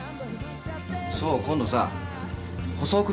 そう今度さ細く